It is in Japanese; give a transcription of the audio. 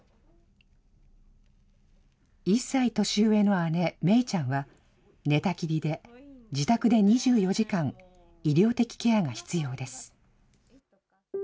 １歳年上の姉、芽衣ちゃんは、寝たきりで、自宅で２４時間医療的ケアが必要です。